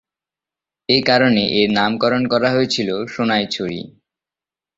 এই কারণে এর নামকরণ করা হয়েছিল "সোনাইছড়ি"।